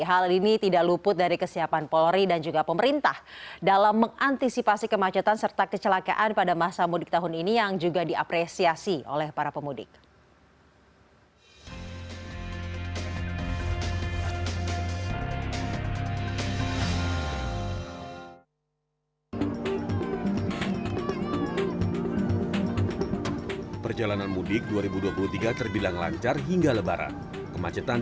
hal ini tidak luput dari kesiapan polri dan juga pemerintah dalam mengantisipasi kemacetan serta kecelakaan pada masa mudik tahun ini yang juga diapresiasi oleh para pemudik